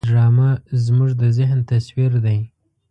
ډرامه زموږ د ذهن تصویر دی